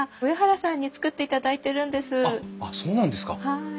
はい。